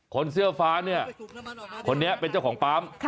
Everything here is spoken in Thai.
คนเสื้อฟ้าเนี่ยคนนี้เป็นเจ้าของปั๊ม